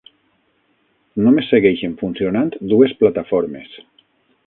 Només segueixen funcionant dues plataformes.